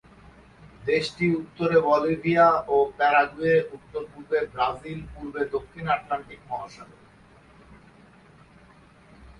দেশটি উত্তরে বলিভিয়া ও প্যারাগুয়ে, উত্তর-পূর্বে ব্রাজিল, পূর্বে দক্ষিণ আটলান্টিক মহাসাগর।